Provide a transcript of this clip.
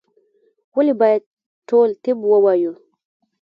ولي باید ټول طب ووایو؟